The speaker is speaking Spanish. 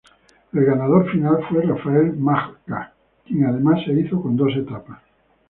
El ganador final fue Rafał Majka, quien además se hizo con dos etapas.